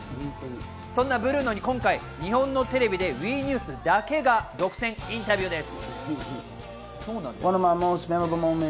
そんなブルーノに今回、日本のテレビでＷＥニュースだけが独占インタビューです。